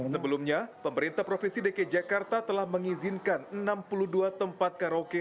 sebelumnya pemerintah provinsi dki jakarta telah mengizinkan enam puluh dua tempat karaoke